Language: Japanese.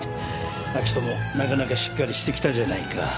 明人もなかなかしっかりしてきたじゃないか。